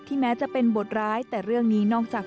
แม้จะเป็นบทร้ายแต่เรื่องนี้นอกจาก